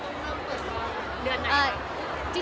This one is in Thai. เริ่มไปเยอะไหมคะ